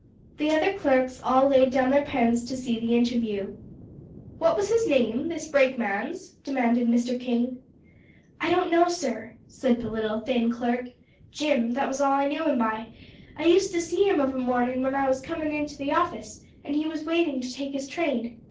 The other clerks all laid down their pens to see the interview. "What was his name this brakeman's?" demanded Mr. King. "I don't know, sir," said the little, thin clerk. "Jim that was all I knew him by. I used to see him of a morning when I was coming to the office, and he was waiting to take his train.